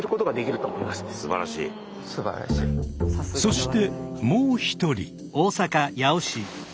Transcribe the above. そしてもう一人。